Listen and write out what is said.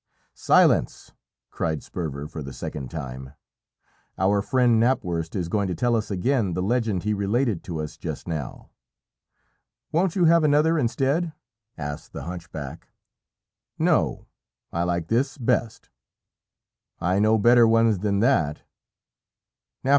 "Silence!" cried Sperver for the second time. "Our friend Knapwurst is going to tell us again the legend he related to us just now." "Won't you have another instead?" asked the hunchback. "No. I like this best." "I know better ones than that."